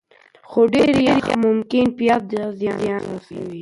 خو ډېر یخ ممکن پیاز ته زیان ورسوي.